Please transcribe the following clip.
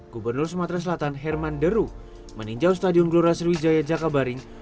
gubernur sumatera selatan herman deru meninjau stadion gelora sriwijaya jakabaring